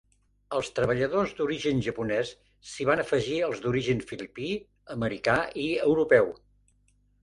Als treballadors d'origen japonés s'hi van afegir els d'origen filipí, americà i europeu.